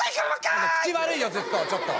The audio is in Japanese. あの口悪いよずっとちょっと。